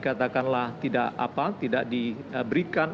katakanlah tidak apa tidak diberikan